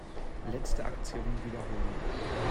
Letzte Aktion wiederholen.